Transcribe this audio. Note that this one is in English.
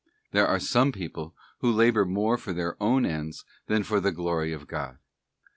There are some people who labour more for their own ends than for the glory of God.